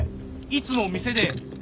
いつも店で。